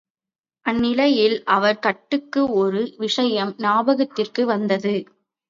அந்நிலையில் அவர்கட்கு ஒரு விஷயம் ஞாபகத்திற்கு வந்தது.